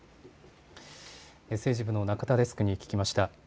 政治部の中田デスクに聞きました。